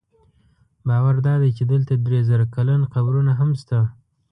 باور دا دی چې دلته درې زره کلن قبرونه هم شته.